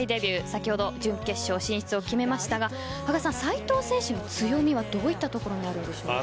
先ほど準決勝進出を決めましたが斉藤選手の強みはどういったところですか。